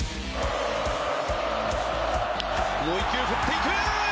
もう１球振っていく！